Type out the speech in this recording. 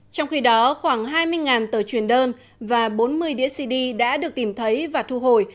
trong khi đó khoảng hai mươi tờ truyền đơn và bốn mươi đĩa cd đã được tìm thấy và thu hồi